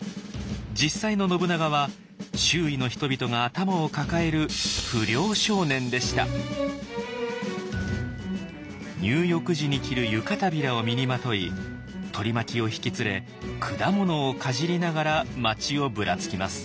実際の信長は周囲の人々が頭を抱える入浴時に着る湯帷子を身にまとい取り巻きを引き連れ果物をかじりながら街をぶらつきます。